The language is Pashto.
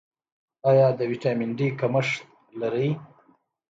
ایا د ویټامین ډي کمښت لرئ؟